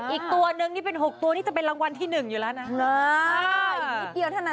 อีกตัวนึงนี่เป็น๖ตัวนี่จะเป็นรางวัลที่๑อยู่แล้วนะ